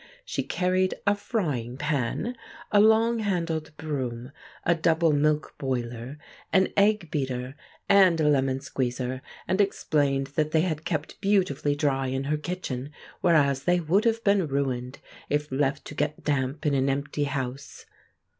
She carried a frying pan, a long handled broom, a double milk boiler, an egg beater, and a lemon squeezer, and explained that they had kept beautifully dry in her kitchen, whereas they would have been ruined if left to get damp in an empty house.